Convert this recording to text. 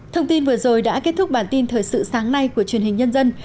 thông tin vừa rồi đã kết thúc bản tin thời sự sáng nay của truyền hình nhân dân